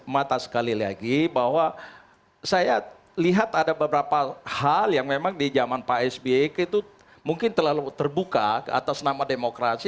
mata sekali lagi bahwa saya lihat ada beberapa hal yang memang di zaman pak sby itu mungkin terlalu terbuka atas nama demokrasi